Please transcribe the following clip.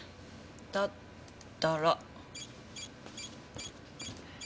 だったら。